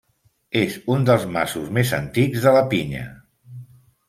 És un dels masos més antics de la Pinya.